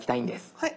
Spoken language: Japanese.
はい。